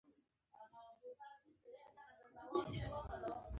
غوا د غوښې لپاره هم روزل کېږي.